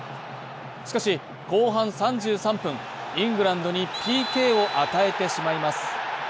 しかし後半３３分、イングランドにＰＫを与えてしまいます。